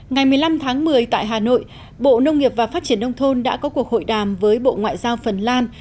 ngày một mươi năm tháng một mươi tại hà nội bộ nông nghiệp và phát triển nông thôn đã có cuộc hội đàm với bộ ngoại giao phần lan